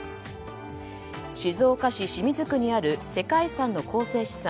静岡市清水区にある世界遺産の構成資産